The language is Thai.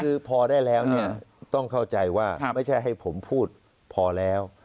คือพอได้แล้วเนี่ยต้องเข้าใจว่าไม่ใช่ให้ผมพูดพอแล้ว